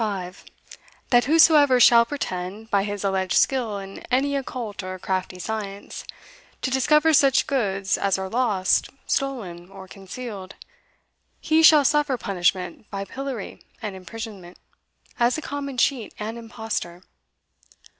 5, that whosoever shall pretend, by his alleged skill in any occult or crafty science, to discover such goods as are lost, stolen or concealed, he shall suffer punishment by pillory and imprisonment, as a common cheat and impostor."